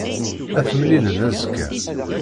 Ad t-mlilen azekka.